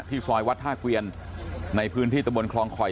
ซอยวัดท่าเกวียนในพื้นที่ตะบนคลองคอย